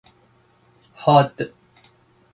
حاد